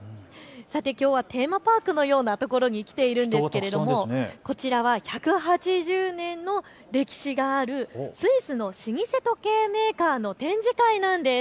さて、きょうはテーマパークのようなところに来ているんですけれども、こちらは１８０年の歴史があるスイスの老舗時計メーカーの展示会なんです。